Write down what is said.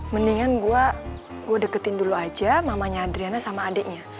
mendingan gua deketin dulu aja mamanya adriana sama adeknya